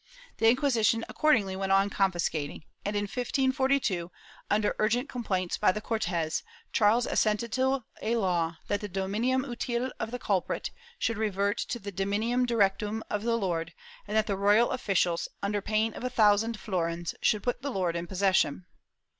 The Inquisition accordingly went on confiscat ing and, in 1542, under urgent complaints by the C6rtes, Charles assented to a law that the dominium utile of the culprit should revert to the dominium directum of the lord and that the royal officials, under pain of a thousand florins, should put the lord in possession.